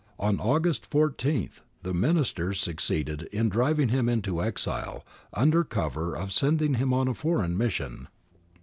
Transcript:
On August 14 the Ministers succeeded in driving him into exile, undercover of send ing him on a foreign mission.